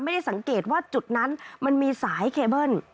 ไม่ได้สังเกตว่าจุดนั้นมันมีสายเคเบิ้ล